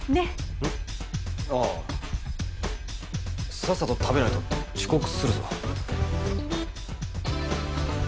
さっさと食べないと遅刻するぞ。